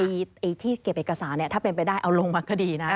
ไอ้ที่เก็บเอกสารเนี่ยถ้าเป็นไปได้เอาลงมาคดีนะ